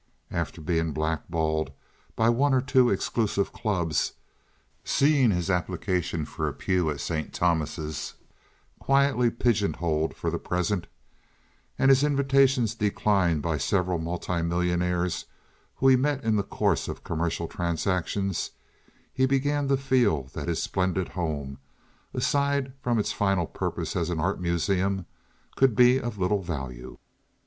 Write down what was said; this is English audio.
After being blackballed by one or two exclusive clubs, seeing his application for a pew at St. Thomas's quietly pigeon holed for the present, and his invitations declined by several multimillionaires whom he met in the course of commercial transactions, he began to feel that his splendid home, aside from its final purpose as an art museum, could be of little value.